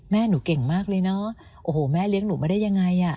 แม่หนูเก่งมากเลยเนอะโอ้โหแม่เลี้ยงหนูมาได้ยังไงอ่ะ